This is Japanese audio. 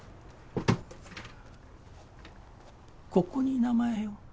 ここに名前を。